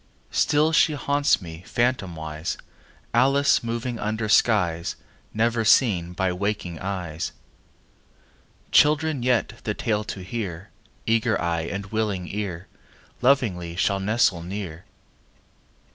Still she haunts me, phantomwise, Alice moving under skies Never seen by waking eyes. Children yet, the tale to hear, Eager eye and willing ear, Lovingly shall nestle near.